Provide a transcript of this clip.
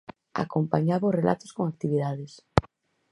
Acompañaba os relatos con actividades.